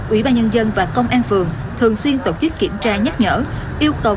ủy ban nhân dân và công an phường thường xuyên tổ chức kiểm tra nhắc nhở yêu cầu